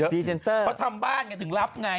เพราะทำบ้านไงถึงรับไง